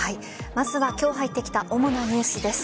まずは今日入ってきた主なニュースです。